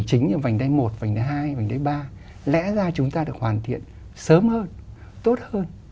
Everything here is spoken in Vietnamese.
chúng ta lẽ ra chúng ta được hoàn thiện sớm hơn tốt hơn